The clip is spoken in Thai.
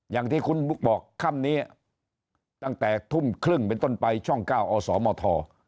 อย่างที่คุณบุ๊คบอกค่ำนี้ตั้งแต่ทุ่มครึ่งเป็นต้นไปช่อง๙อสมท